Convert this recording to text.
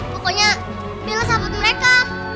pokoknya bella sahabat mereka